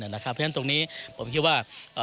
เพราะฉะนั้นตรงนี้ผมคิดว่า